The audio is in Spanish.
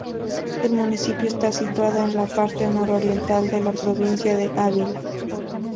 El municipio está situado en la parte nororiental de la provincia de Ávila.